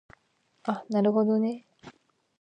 あなるほどね